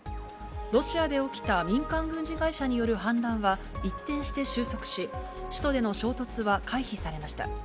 ロシアで起きた民間軍事会社による反乱は、一転して収束し、首都での衝突は回避されました。